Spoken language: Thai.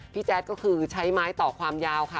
แจ๊ดก็คือใช้ไม้ต่อความยาวค่ะ